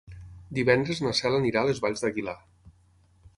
Divendres na Cel anirà a les Valls d'Aguilar.